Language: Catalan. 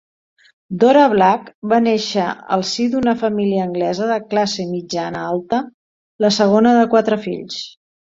Dora Black va néixer al si d'una família anglesa de classe mitjana-alta, la segona de quatre fills.